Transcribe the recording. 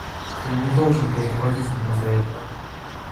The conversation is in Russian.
Ты не должен был доводить меня до этого.